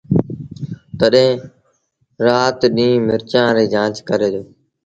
تڏهيݩ رآت ڏيݩهݩ مرچآݩ ريٚ جآݩچ ڪري دو